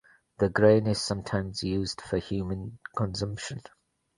The grain is sometimes used for human consumption.